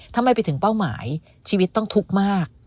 ทำไมไปถึงเป้าหมายชีวิตต้องทุกข์มาก